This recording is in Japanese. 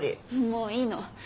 もういいの。